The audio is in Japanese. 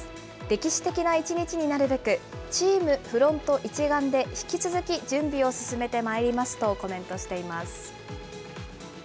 歴史的な一日になるべく、チーム、フロント一丸で、引き続き準備を進めてまいりますとコメントしています。